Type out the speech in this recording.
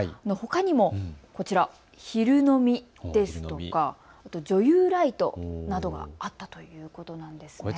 ほかにもこちら、昼飲みですとか女優ライトなどがあったということです。